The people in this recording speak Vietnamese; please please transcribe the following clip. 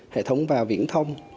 hệ thống và viễn thông